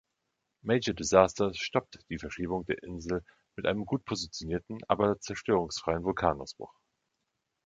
Major Disaster stoppt die Verschiebung der Insel mit einem gut positionierten, aber zerstörungsfreien Vulkanausbruch.